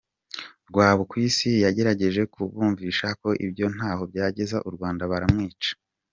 Rwabukwisi yagerageje kubumvisha ko ibyo ntaho byageza u Rwanda, baramwica.